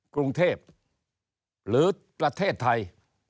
กรุงเทพหรือประเทศไทย